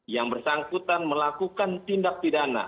yang bersangkutan melakukan tindak pidana